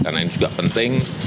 karena ini juga penting